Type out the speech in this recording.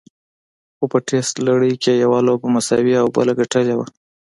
خو په ټېسټ لړۍ کې یې یوه لوبه مساوي او بله ګټلې وه.